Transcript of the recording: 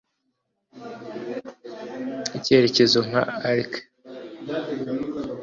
icyerekezo nka arc